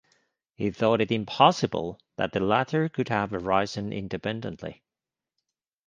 He thought it impossible that the latter could have arisen independently.